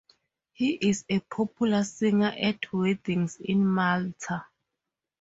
He is a popular singer at weddings in Malta.